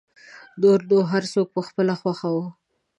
نور نو هر څوک په خپله خوښه و.